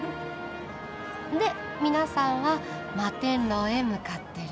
で皆さんは摩天楼へ向かってる。